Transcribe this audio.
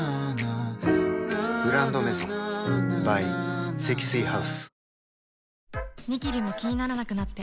「グランドメゾン」ｂｙ 積水ハウス